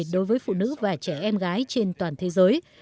đối với phụ nữ và trẻ em gái trên toàn thế giới